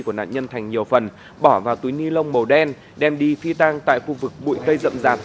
của nạn nhân thành nhiều phần bỏ vào túi ni lông màu đen đem đi phi tang tại khu vực bụi cây rậm rạt